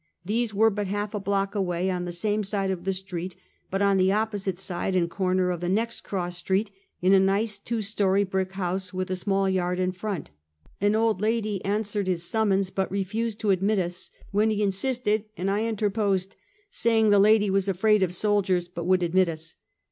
These were but half a block away, on the same side of the street, but on the opposite side, and corner of the next cross street, in a nice two story brick house, with a small yard in front. An old lady answered his sum mons, but refused to admit us: when he insisted and I interposed, saying the lady was afraid of soldiers, but would admit us.